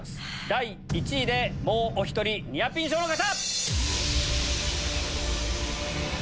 第１位でもうお１人ニアピン賞の方！